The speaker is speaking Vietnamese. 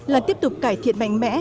là tiếp tục cải thiện mạnh mẽ